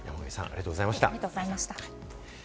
山神さん、ありがとうございました。